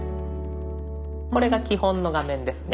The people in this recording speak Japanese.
これが基本の画面ですね。